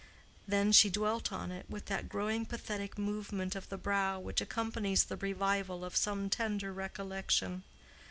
Then she dwelt on it with that growing pathetic movement of the brow which accompanies the revival of some tender recollection.